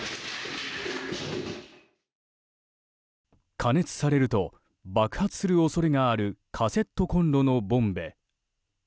加熱されると爆発する恐れがあるカセットコンロのボンベ。